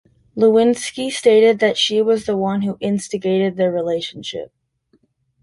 Lewinsky stated she was the one who instigated the relationship.